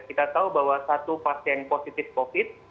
kita tahu bahwa satu pasien positif covid sembilan belas